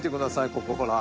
ここほら。